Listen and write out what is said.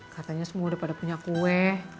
katanya semua udah pada punya kue